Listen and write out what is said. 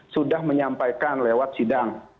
sudah menyampaikan lewat sidang